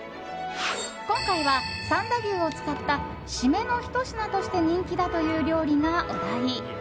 今回は三田牛を使ったシメのひと品として人気だという料理がお題。